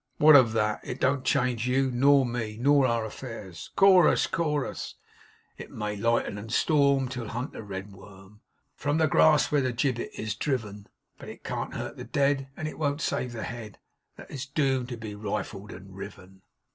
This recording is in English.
'What of that? It don't change you, nor me, nor our affairs. Chorus, chorus, It may lighten and storm, Till it hunt the red worm From the grass where the gibbet is driven; But it can't hurt the dead, And it won't save the head That is doom'd to be rifled and riven.